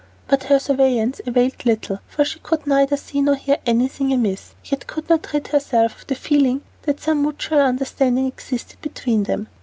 But her surveillance availed little, for she could neither see nor hear anything amiss, yet could not rid herself of the feeling that some mutual understanding existed between them.